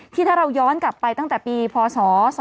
ถ้าเราย้อนกลับไปตั้งแต่ปีพศ๒๕๖